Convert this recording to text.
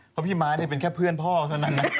เพราะพี่ม้าเป็นแค่เพื่อนพ่อเท่านั้นนะ